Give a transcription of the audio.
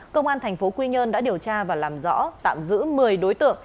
công an tp quy nhơn đã điều tra và làm rõ tạm giữ một mươi đối tượng